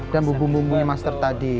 dan bumbu bumbunya yang saya masak tadi